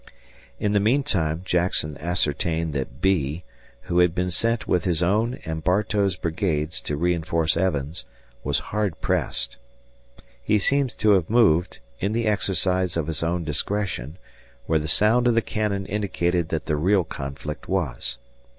In the meantime Jackson ascertained that Bee, who had been sent with his own and Bartow's brigades to reinforce Evans, was hard pressed. He seems to have moved, in the exercise of his own discretion, where the sound of the cannon indicated that the real conflict was.